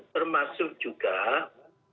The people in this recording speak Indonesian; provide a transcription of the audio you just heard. termasuk juga menggunakan